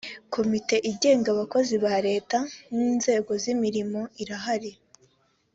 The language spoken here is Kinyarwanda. komite igenga abakozi ba leta n inzego z imirimo irahari